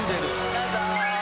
どうぞ！